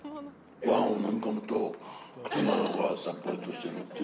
ごはんを飲み込むと口の中がさっぱりとしてる。